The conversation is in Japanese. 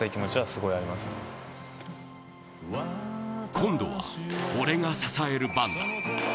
今度は俺が支える番だ。